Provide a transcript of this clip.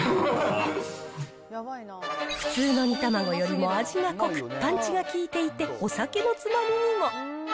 普通の煮卵よりも味が濃く、パンチが効いていて、お酒のつまみにも。